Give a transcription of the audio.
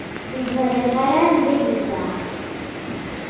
Ur ẓriɣ anda ay yezdeɣ.